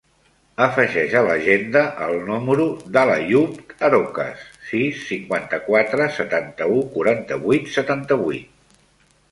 Afegeix a l'agenda el número de l'Àyoub Arocas: sis, cinquanta-quatre, setanta-u, quaranta-vuit, setanta-vuit.